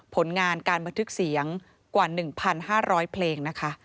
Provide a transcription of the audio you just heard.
ผลงานการบันทึกเสียงกว่า๑๕๐๐เพลงนะคะ